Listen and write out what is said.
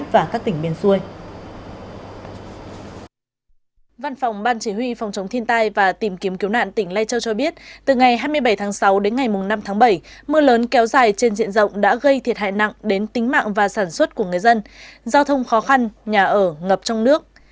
văn phòng ban chỉ huy phòng chống thiên tai và tìm kiếm cứu nạn tỉnh lai châu cho biết từ ngày hai mươi bảy tháng sáu đến ngày năm tháng bảy mưa lớn kéo dài trên diện rộng đã gây thiệt hại nặng đến tính mạng và sản xuất của người dân giao thông khó khăn nhà ở ngập trong nước